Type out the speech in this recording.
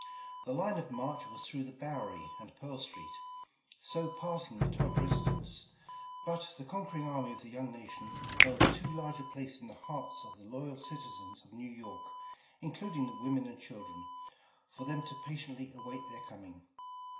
The line of march was through the Bowery and Pearl Street, so passing the Todd residence, but the conquering army of the young nation held too large a place in the hearts of the loyal citizens of New York, including the women and children, for them to patiently await their coming.